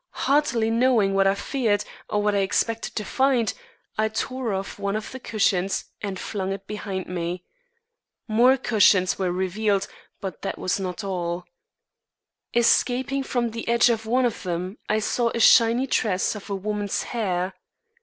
Hardly knowing what I feared, or what I expected to find, I tore off one of the cushions and flung it behind me. More cushions were revealed but that was not all. Escaping from the edge of one of them I saw a shiny tress of woman's hair.